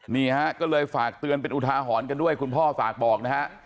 นี่ฮะก็เลยฝากเตือนเป็นอุทาหรณ์กันด้วยคุณพ่อฝากบอกนะฮะ